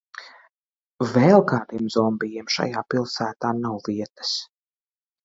Vēl kādiem zombijiem šajā pilsētā nav vietas!